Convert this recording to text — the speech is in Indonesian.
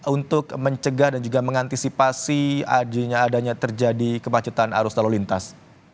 untuk mencegah dan juga mengantisipasi adanya adanya terjadi kemacetan arus lalu lintas